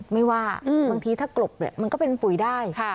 ไม่ว่าอืมบางทีถ้ากลบเนี้ยมันก็เป็นปุ๋ยได้ค่ะ